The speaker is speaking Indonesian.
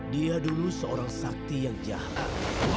dia dulu seorang sakti yang jahat